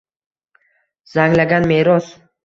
Zanglagan meros